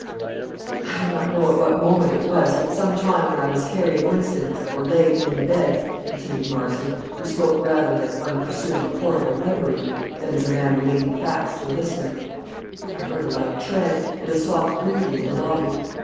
"I do not know at what moment it was, but some time when I was carrying Wynston, or laying him in the bed," continued Marston, who spoke rather like one pursuing a horrible reverie, than as a man relating facts to a listener, "I heard a light tread, and soft breathing in the lobby.